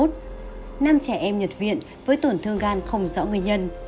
năm trẻ em nhập viện với tổn thương gan không rõ nguyên nhân